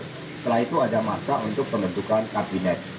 setelah itu ada masa untuk pembentukan kabinet